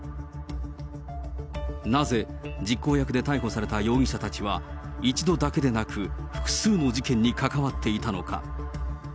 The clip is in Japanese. なぜ、実行役で逮捕された容疑者たちは、一度だけでなく、複数の事件に関わっていたのか。